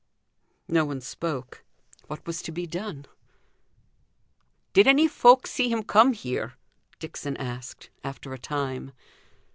No one spoke. What was to be done? "Did any folk see him come here?" Dixon asked, after a time.